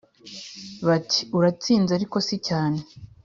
Bati : Uratsinze ariko si cyane.